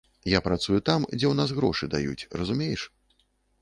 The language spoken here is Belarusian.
Я працую там, дзе ў нас грошы даюць, разумееш?